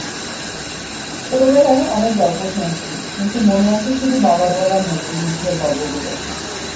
ছোটবেলায় অনেক গল্প শুনেছি, কিন্তু মনে আছে শুধু বাবার বলা মুক্তিযুদ্ধের গল্পগুলো।